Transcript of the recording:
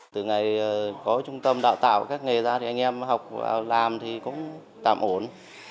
từ ngày có trung tâm đào tạo các nghề ra thì anh em học vào làm thì cũng tạm ổn